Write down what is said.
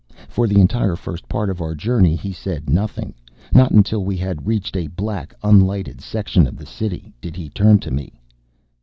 For the entire first part of our journey he said nothing. Not until we had reached a black, unlighted section of the city did he turn to me.